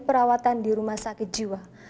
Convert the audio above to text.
perawatan di rumah sakit jiwa